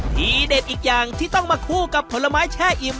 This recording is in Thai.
ทีเด็ดอีกอย่างที่ต้องมาคู่กับผลไม้แช่อิ่ม